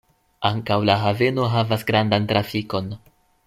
Ankaŭ la haveno havas grandan trafikon.